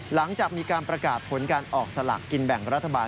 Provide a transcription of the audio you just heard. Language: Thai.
หลังจากมีการประกาศผลการออกสลากกินแบ่งรัฐบาล